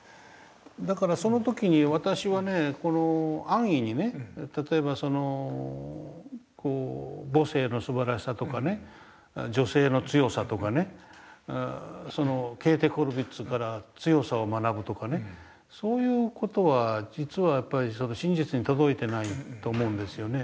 だからその時に私はね安易にね例えば母性のすばらしさとかね女性の強さとかねケーテ・コルヴィッツから強さを学ぶとかねそういう事は実はやっぱり真実に届いてないと思うんですよね。